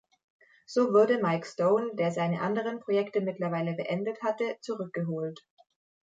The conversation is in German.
So wurde Mike Stone, der seine anderen Projekte mittlerweile beendet hatte, zurückgeholt.